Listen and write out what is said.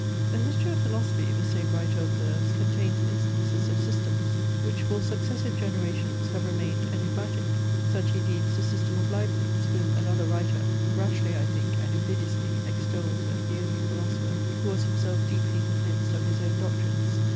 The history of philosophy (the same writer observes) contains instances of systems, which for successive generations have remained enigmatic. Such he deems the system of Leibnitz, whom another writer (rashly I think, and invidiously) extols as the only philosopher, who was himself deeply convinced of his own doctrines.